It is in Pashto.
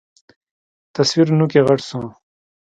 تصوير نوکى غټ سو.